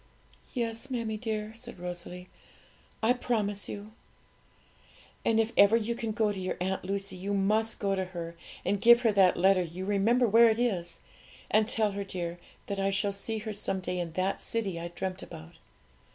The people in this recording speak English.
'Yes, mammie dear,' said Rosalie, 'I promise you.' 'And if ever you can go to your Aunt Lucy, you must go to her and give her that letter; you remember where it is; and tell her, dear, that I shall see her some day in that city I dreamt about.